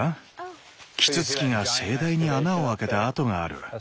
キツツキが盛大に穴を開けた跡がある。